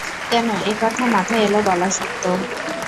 কেন এ কথা মাথায় এল বলা শক্ত।